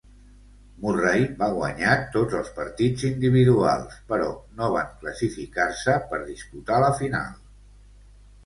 Murray va guanyar tots els partits individuals però no van classificar-se per disputar la final.